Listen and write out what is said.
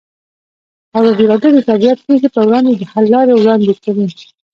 ازادي راډیو د طبیعي پېښې پر وړاندې د حل لارې وړاندې کړي.